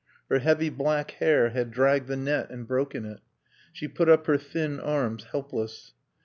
Her heavy black hair had dragged the net and broken it. She put up her thin arms, helpless.